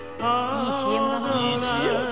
いいＣＭだな。